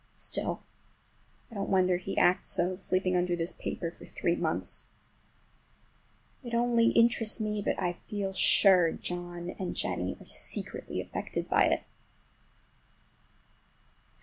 Still, I don't wonder he acts so, sleeping under this paper for three months. It only interests me, but I feel sure John and Jennie are secretly affected by it.